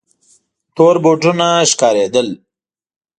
تور بوټونه ښکارېدل.